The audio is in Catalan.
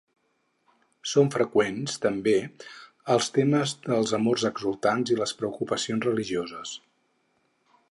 Són freqüents, també, els temes dels amors exultants i les preocupacions religioses.